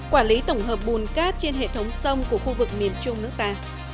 quản lý tổng hợp bùn cát trên hệ thống sông của khu vực miền trung nước ta